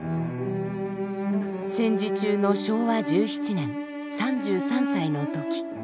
戦時中の昭和１７年３３歳の時。